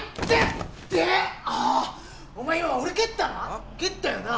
お前今俺蹴ったな！？